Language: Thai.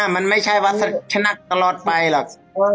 มันไม่ใช่วัฒนะตลอดไปหรอก